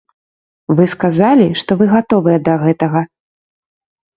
Вы сказалі, што вы гатовыя да гэтага.